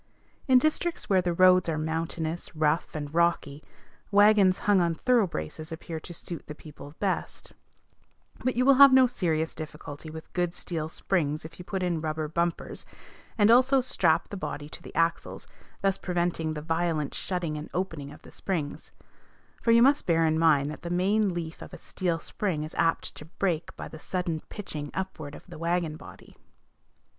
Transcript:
In districts where the roads are mountainous, rough, and rocky, wagons hung on thoroughbraces appear to suit the people the best; but you will have no serious difficulty with good steel springs if you put in rubber bumpers, and also strap the body to the axles, thus preventing the violent shutting and opening of the springs; for you must bear in mind that the main leaf of a steel spring is apt to break by the sudden pitching upward of the wagon body.